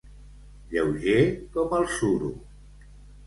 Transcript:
Lleuger com el suro.